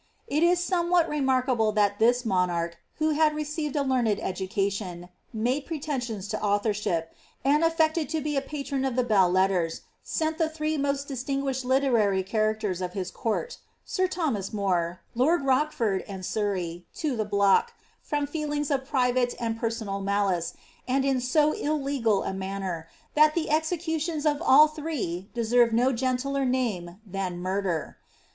It is somewhat remarkable that tliis monarch, who had received a learned education, made pretensions to authorship, and af fected to be a |>atron of the belles letters, sent the three most distio guished literary characters of his court — sir Thomas More, lord Roch ford, and Surrey — to the block, from feelings of private and personal malice, and in so illegal a manner, that the executions of all three de serve no gentler name than murder.